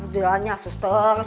jalannya asus terus